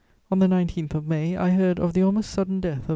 On the 19th of May, I heard of the almost sudden death of M.